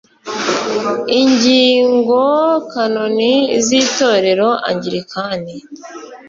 ingingo kanoni z itorero angilikani